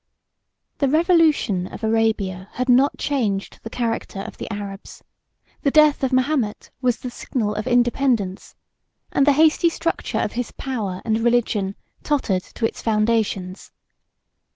The revolution of Arabia had not changed the character of the Arabs: the death of Mahomet was the signal of independence; and the hasty structure of his power and religion tottered to its foundations.